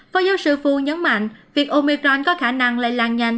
phó giáo sư fu nhấn mạnh việc omicron có khả năng lây lan nhanh